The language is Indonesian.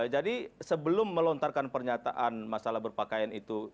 jadi sebelum melontarkan pernyataan masalah berpakaian itu